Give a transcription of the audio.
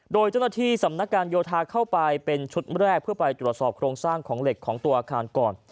โดยเจ้าหน้าที่สำนักการโยธาเข้าไปเป็นชุดแรกเพื่อไปตรวจสอบโครงสร้างของเหล็กของตัวอาคารก่อน